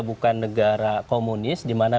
bukan negara komunis dimana